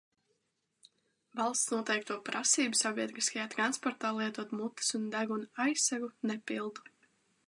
Valsts noteikto prasību sabiedriskajā transportā lietot mutes un deguna aizsegu nepildu.